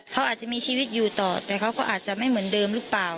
เขาอาจจะมีชีวิตอยู่ต่อแต่เขาก็อาจจะไม่เหมือนเดิมหรือเปล่า